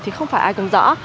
thì không phải ai cũng rõ